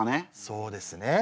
そうですね。